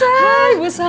hai bu saru